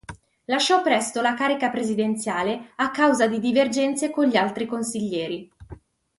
Lasciò presto la carica presidenziale a causa di divergenze con gli altri consiglieri.